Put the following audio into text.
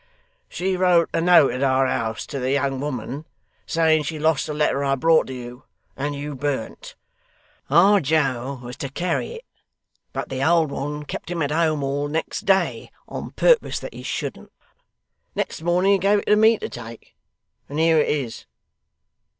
'She wrote a note at our house to the young woman, saying she lost the letter I brought to you, and you burnt. Our Joe was to carry it, but the old one kept him at home all next day, on purpose that he shouldn't. Next morning he gave it to me to take; and here it is.